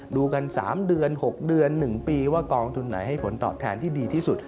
ดูกัน๓เดือน๖เดือน๑ปีว่ากองทุนไหนให้ผลตอบแทนที่ดีที่สุด